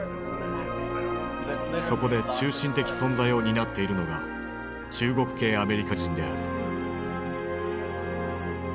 そこで中心的存在を担っているのが中国系アメリカ人である。